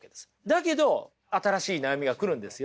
だけど新しい悩みが来るんですよね。